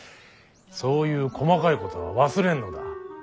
そういう細かいことは忘れんのだ。